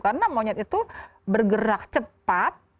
karena monyet itu bergerak cepat